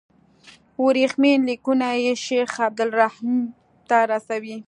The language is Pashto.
ورېښمین لیکونه یې شیخ عبدالرحیم ته رسول.